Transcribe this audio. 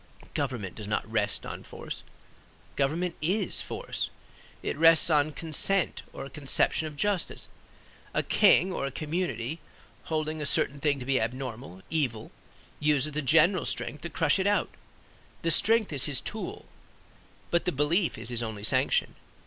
Government does not rest on force. Government is force; it rests on consent or a conception of justice. A king or a community holding a certain thing to be abnormal, evil, uses the general strength to crush it out; the strength is his tool, but the belief is his only sanction.